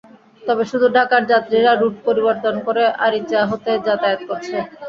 তবে শুধু ঢাকার যাত্রীরা রুট পরিবর্তন করে আরিচা হয়ে যাতায়াত করছে।